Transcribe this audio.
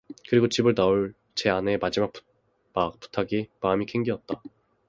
그리고 집을 나올 제 아내의 부탁이 마음이 켕기었다.